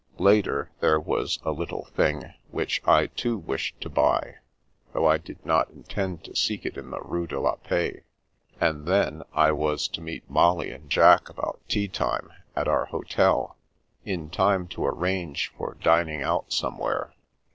Later, there was a " little thing" which I, too, wished to buy (though I did not intend to seek it in the Rue de la Paix), and then I was to meet Molly and Jack about tea time at our hotel, in time to arrange for dining out somewhere.